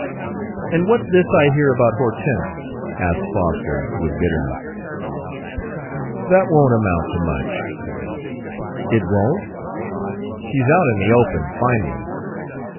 "And what's this I hear about Hortense?" asked Foster, with bitterness. "That won't amount to much." "It won't? She's out in the open, finally.